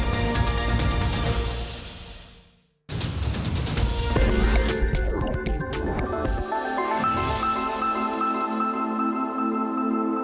โปรดติดตามตอนต่อไป